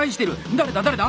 誰だ誰だ？